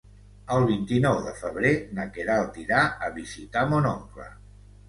El vint-i-nou de febrer na Queralt irà a visitar mon oncle.